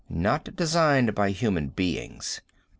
Not designed by human beings.